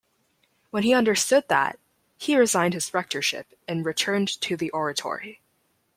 When he understood that, he resigned his rectorship and returned to the Oratory.